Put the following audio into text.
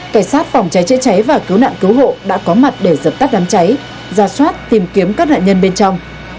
cảnh sát phòng cháy chữa cháy và cứu nạn cứu hộ đã có mặt để dập tắt đám cháy ra soát tìm kiếm các nạn nhân bên trong